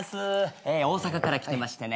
大阪から来てましてね。